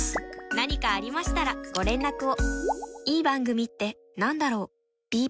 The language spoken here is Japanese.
何かありましたらご連絡を。